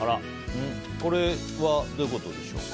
これはどういうことでしょう？